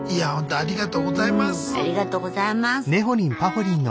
「ありがとうございます」。